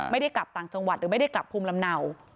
ไม่ได้กลับต่างจังหวัดหรือไม่ได้กลับภูมิลำเนา